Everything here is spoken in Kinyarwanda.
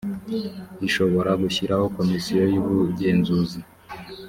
ishobora gushyiraho komisiyo y’ubugenzuzi